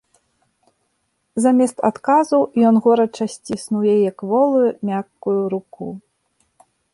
Замест адказу ён горача сціснуў яе кволую, мяккую руку.